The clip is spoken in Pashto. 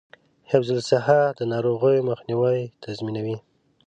حفظ الصحه د ناروغیو مخنیوی تضمینوي.